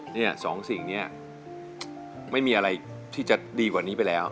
เนี่ยสองสิ่งนี้ไม่มีอะไรที่จะดีกว่านี้ไปแล้ว